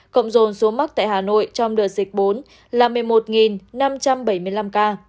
cộng dồn số mắc tại hà nội trong đợt dịch bốn là một mươi một năm trăm bảy mươi năm ca